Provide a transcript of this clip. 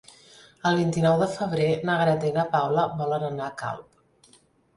El vint-i-nou de febrer na Greta i na Paula volen anar a Calp.